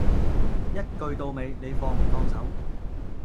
一句到尾，你放唔放手